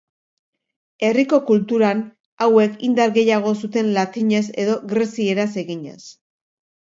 Herriko kulturan hauek indar gehiago zuten latinez edo grezieraz eginez.